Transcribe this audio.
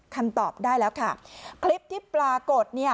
คำตอบได้แล้วค่ะคลิปที่ปรากฏเนี่ย